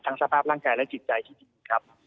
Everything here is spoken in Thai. ทั้งสภาพร่างกายและจิตใจที่จริงครับ